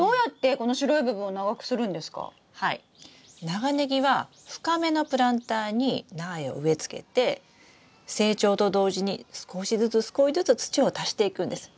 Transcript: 長ネギは深めのプランターに苗を植えつけて成長と同時に少しずつ少しずつ土を足していくんです。